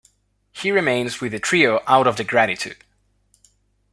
He remains with the trio out of gratitude.